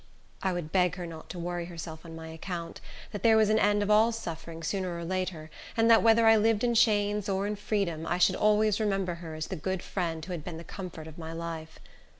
I would beg her not to worry herself on my account; that there was an end of all suffering sooner or later, and that whether I lived in chains or in freedom, I should always remember her as the good friend who had been the comfort of my life.